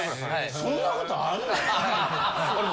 そんなことあるの！？